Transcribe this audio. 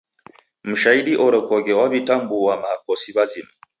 Mshahidi orekoghe waw'itambua w'akosi w'azima.